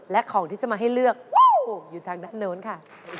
และของที่จะมาให้เลือกอยู่ทางด้านโน้นค่ะ